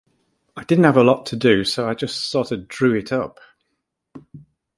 I didn't have a lot to do, so I just sorta drew it up.